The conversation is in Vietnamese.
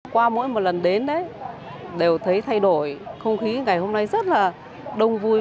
qua mỗi lần đến đều thấy thay đổi không khí ngày hôm nay rất là đông vui